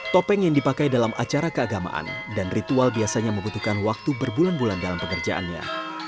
topeng yang dipakai dalam acara keagamaan dan ritual biasanya membutuhkan waktu berbulan bulan dalam pekerjaannya